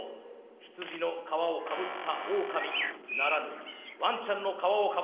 羊の皮をかぶったオオカミならぬワンちゃんの皮をかぶった魔